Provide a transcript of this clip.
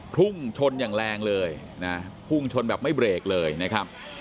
พุ่งชนอย่างแรงเลยนะพุ่งชนแบบไม่เบรกเลยนะครับ